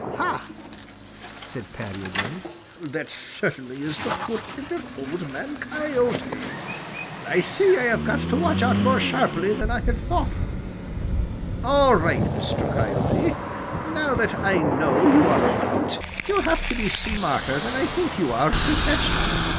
"Ha!" said Paddy again, "that certainly is the footprint of Old Man Coyote! I see I have got to watch out more sharply than I had thought for. All right, Mr. Coyote; now that I know you are about, you'll have to be smarter than I think you are to catch me.